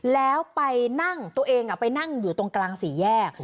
แล้วไปนั่งตัวเองไปนั่งอยู่ตรงกลางสี่แยก